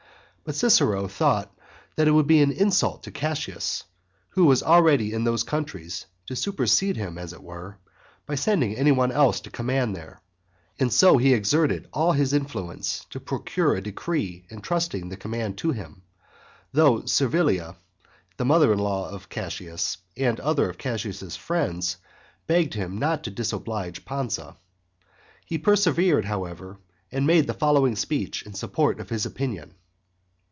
But Cicero thought that it would be an insult to Cassius, who was already in those countries, to supersede him as it were, by sending any one else to command there, and so he exerted all his influence to procure a decree entrusting the command to him, though Servilia, the mother in law of Cassius, and other of Cassius's friends, begged him not to disoblige Pansa. He persevered, however and made the following speech in support of his opinion.